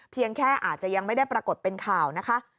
เพียงแค่อาจจะยังไม่ได้ปรากฏเป็นข่าวนะคะ